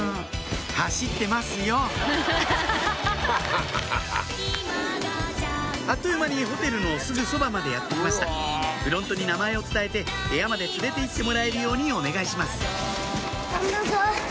走ってますよあっという間にホテルのすぐそばまでやって来ましたフロントに名前を伝えて部屋まで連れていってもらえるようにお願いします